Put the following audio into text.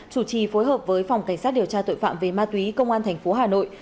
chủ trì phối hợp với phòng cảnh sát điều tra tội phạm về ma túy công an thành phố hà nội